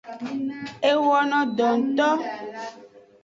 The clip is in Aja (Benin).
E wono do ngto.